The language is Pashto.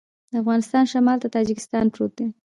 د افغانستان شمال ته تاجکستان پروت دی